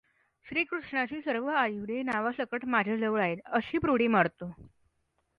श्रीकृष्णाची सर्व आयुधे नावासकट माझ्याजवळ आहेत, अशी प्रोढी मारतो.